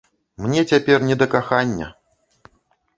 Мне цяпер не да кахання!